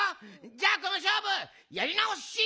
じゃあこのしょうぶやりなおし！